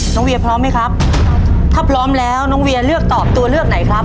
เวียพร้อมไหมครับถ้าพร้อมแล้วน้องเวียเลือกตอบตัวเลือกไหนครับ